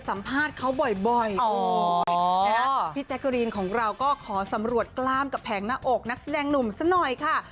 แล้วบ่อยพี่แจ๊กรีนของเราก็ขอสำรวจกล้ามกับแผงหน้าอกนักแสดงหนุ่มสักหน่อยค่ะ